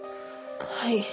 はい。